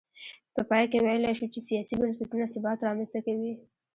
په پای کې ویلای شو چې سیاسي بنسټونه ثبات رامنځته کوي.